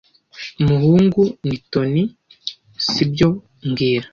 muhungu ni Tony, si byo mbwira